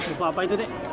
buku apa itu nek